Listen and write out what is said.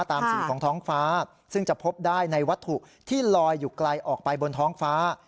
สีของท้องฟ้าซึ่งจะพบได้ในวัตถุที่ลอยอยู่ไกลออกไปบนท้องฟ้า